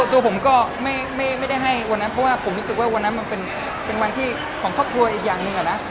ตัวผมก็ไม่ได้ให้วันนั้นเพราะว่าผมรู้สึกว่าวันนั้นมันเป็นวันที่ของครอบครัวอีกอย่างหนึ่งอะนะ